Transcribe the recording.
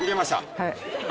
はい。